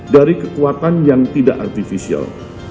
dari kekuatan yang tidak artifisial